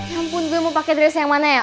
ya ampun gue mau pake dress yang mana ya